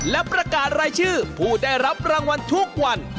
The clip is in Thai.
และประกาศรายชื่อผู้ได้รับรางวัลทุกวัน